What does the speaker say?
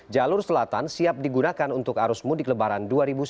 jalur selatan siap digunakan untuk arus mudik lebaran dua ribu sembilan belas